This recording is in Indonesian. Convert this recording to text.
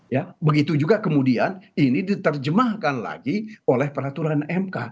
ya begitu juga kemudian ini diterjemahkan lagi oleh peraturan mk